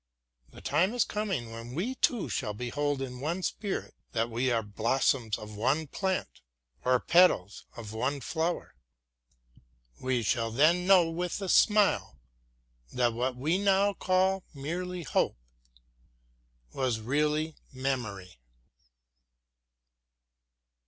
The time is coming when we two shall behold in one spirit that we are blossoms of one plant, or petals of one flower. We shall then know with a smile that what we now call merely hope was really memory.